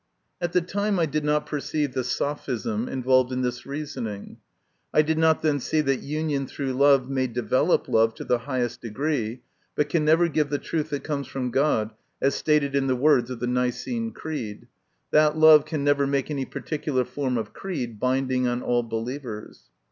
At the time I did not perceive the sophism involved in this reasoning. I did not then see that union through love may develop love to the highest degree, but can never give the truth that comes from God, as stated in the words of the Nicene Creed that love can never make any particular form of creed binding on all believers.